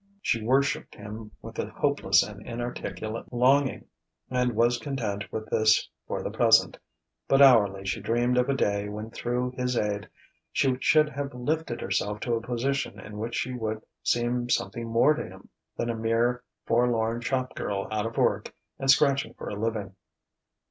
She worshipped him with a hopeless and inarticulate longing, and was content with this for the present; but hourly she dreamed of a day when through his aid she should have lifted herself to a position in which she would seem something more to him than a mere, forlorn shop girl out of work and scratching for a living.